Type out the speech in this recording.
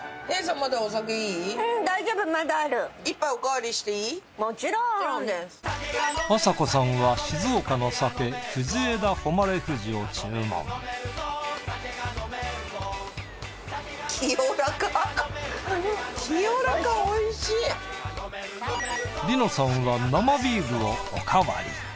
あさこさんは静岡の酒梨乃さんは生ビールをおかわり。